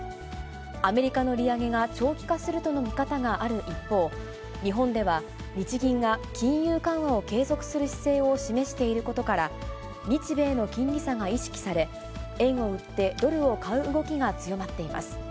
アメリカの利上げが長期化するとの見方がある一方、日本では、日銀が金融緩和を継続する姿勢を示していることから、日米の金利差が意識され、円を売ってドルを買う動きが強まっています。